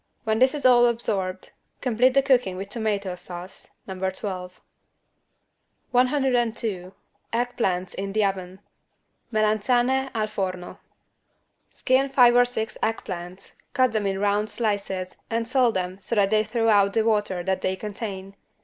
When this is all absorbed, complete the cooking with tomato sauce (No. 12). 102 EGG PLANTS IN THE OVEN (Melanzane al forno) Skin five or six egg plants, cut them in round slices and salt them so that they throw out the water that they contain.